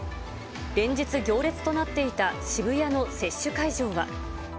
連日行列となっていた渋谷の接種会場は。